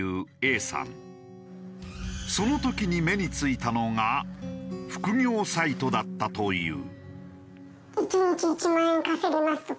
その時に目についたのが副業サイトだったという。